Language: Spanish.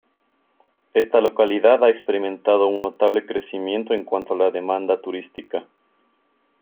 Esta localidad ha experimentado un notable crecimiento en cuanto a la demanda turística.